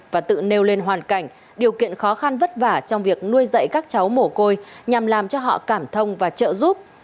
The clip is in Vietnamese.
và tự nêu lên hoàn cảnh điều kiện khó khăn vất vả trong việc nuôi dạy các cháu mồ côi nhằm làm cho họ cảm thông và trợ giúp